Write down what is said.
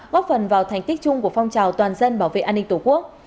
góp phần vào thành tích chung của phong trào toàn dân bảo vệ an ninh tổ quốc